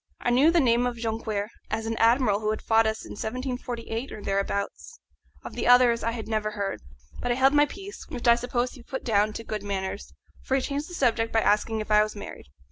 I knew the name of Jonquière as an admiral who had fought us in 1748 or thereabouts; of the others I had never heard. But I held my peace, which I suppose he put down to good manners, for he changed the subject by asking if I was married.